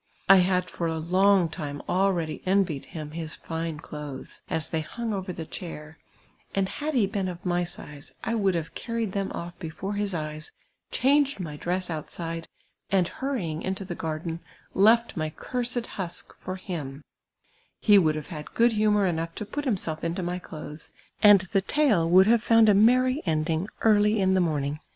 I had for a long time ah eady envied him his tine clothes, as they hung over the chair, and had he been of my size, I would have earned them off before his eyes, changed my dress outside, and hurrying mto the garden, left my cursed husk for him ; he would have had good humour enougli to ])ut himself into mv clotiies, and the tale would have found a nieiTV end ing early in the morning.